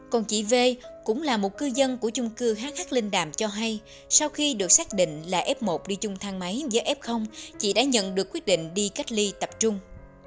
còn chị v cũng là một cư dân của chung cư hh linh đàm cho hay sau khi được xác định là f một đi chung thang máy với f chị đã nhận được quyết định đi cách ly tập trung